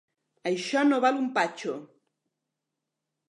Això no val un patxo.